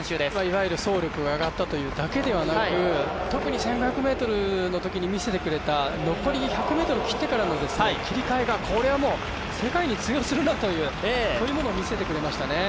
走力が上がったということだけではなく特に１５００ｍのときに見せてくれた残り１００ｍ切ってからの切り替えが世界に通用するものを見せてくれましたね。